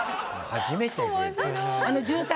初めて。